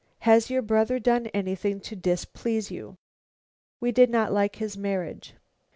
Has your brother done anything to displease you?" "We did not like his marriage."